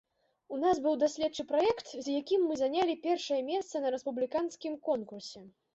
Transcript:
У нас быў даследчы праект, з якім мы занялі першае месца на рэспубліканскім конкурсе.